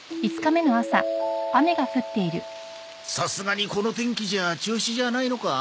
さすがにこの天気じゃあ中止じゃないのか？